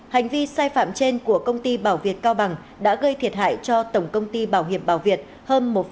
hành vi sai phạm trên của công ty bảo việt cao bằng đã gây thiệt hại cho tổng công ty bảo hiểm bảo việt hơn một tám tỷ đồng